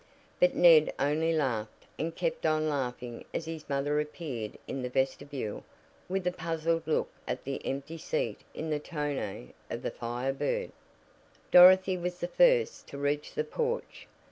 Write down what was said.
But Ned only laughed, and kept on laughing as his mother appeared in the vestibule with a puzzled look at the empty seat in the tonneau of the Fire Bird. Dorothy was the first to reach the porch.